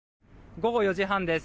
午後４時半です。